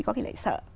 có khi lại sợ